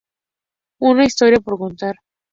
Una historia por contar.